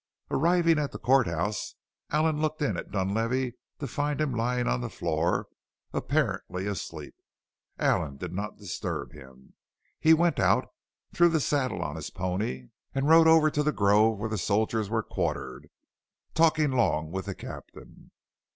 Arriving at the court house Allen looked in at Dunlavey to find him lying on the floor, apparently asleep. Allen did not disturb him. He went out, threw the saddle on his pony, and rode over to the grove where the soldiers were quartered, talking long with the captain.